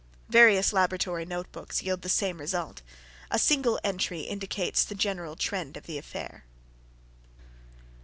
Various laboratory note books yield the same result. A single entry indicates the general trend of the affair.